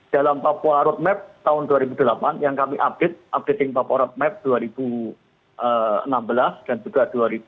dalam papua roadmap tahun dua ribu delapan yang kami update updating papua roadmap dua ribu enam belas dan juga dua ribu delapan belas